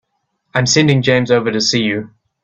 I'm sending James over to see you.